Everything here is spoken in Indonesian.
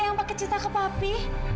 eyang pakai cita ke papi